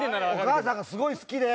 お母さんがすごい好きで。